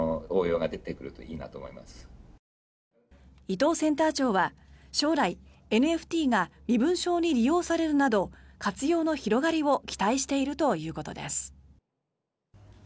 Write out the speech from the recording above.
伊藤センター長は将来、ＮＦＴが身分証に利用されるなど活用の広がりを期待しているということです。